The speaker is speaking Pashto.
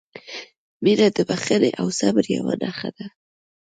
• مینه د بښنې او صبر یوه نښه ده.